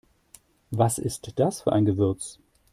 Was ist das für ein Gewürz?